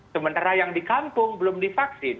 sementara yang di kampung belum divaksin